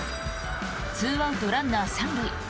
２アウト、ランナー３塁。